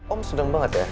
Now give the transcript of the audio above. om seneng banget ya